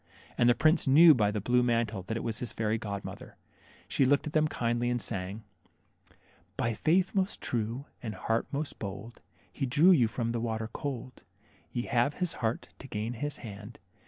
And the prince knew by the blue mantle that it was his fairy godmother. She looked at them kindly and sang, —," By faith most true, and heart most bold, He drew you from the water cold I You have his heart ! to gain his hand.